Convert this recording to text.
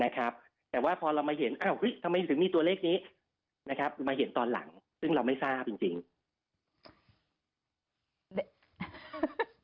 แต่ว่าพอเรามาเห็นทำไมถึงมีตัวเลขนี้นะครับมาเห็นตอนหลังซึ่งเราไม่ทราบจริง